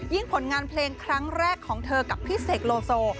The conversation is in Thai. ผลงานเพลงครั้งแรกของเธอกับพี่เสกโลโซ